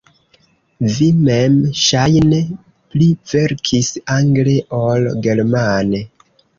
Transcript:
Vi mem ŝajne pli verkis angle ol germane.